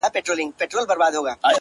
• له يوه كال راهيسي،